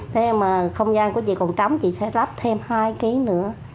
thế mà không gian của chị còn trống chị sẽ lắp thêm hai kg nữa